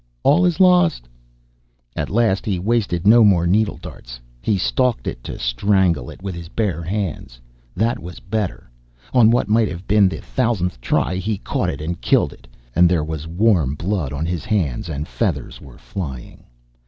"All is lost!" At last he wasted no more needle darts. He stalked it to strangle it with his bare hands. That was better. On what might have been the thousandth try, he caught it and killed it, and there was warm blood on his hands and feathers were flying.